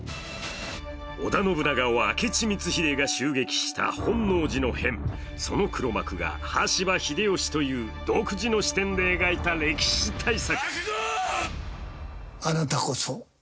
織田信長を明智光秀が襲撃した本能寺の変、その黒幕が羽柴秀吉という独自の視点で描いた歴史大作。